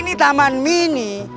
ini taman mini